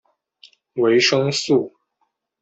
维生素。